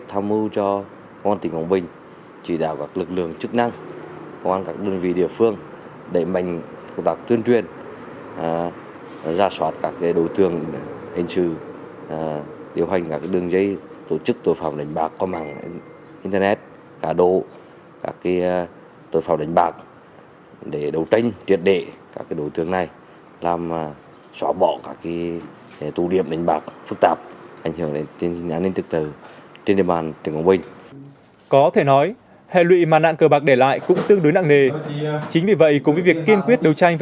thường sử dụng công nghệ cao để nhằm qua mắt lực lượng chức năng để đánh số lô số đề sóc đĩa tôm cua bầu cá